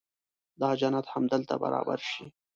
دا جنت همدلته برابر شي.